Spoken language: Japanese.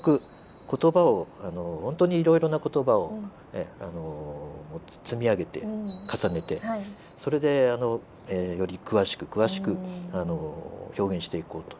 言葉を本当にいろいろな言葉を積み上げて重ねてそれでより詳しく詳しく表現していこうと。